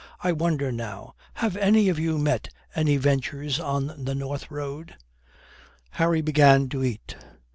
I wonder, now, have any of you met any ventures on the North Road?" Harry began to eat.